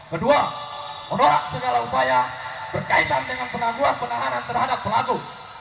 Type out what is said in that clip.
kedua menolak segala upaya berkaitan dengan penangguhan penahanan terhadap pelaku